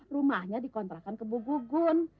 rumahnya dikontrakan ke bu gugun